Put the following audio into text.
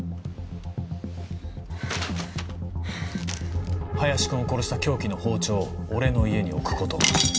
ハァハァ林君を殺した凶器の包丁を俺の家に置くこと。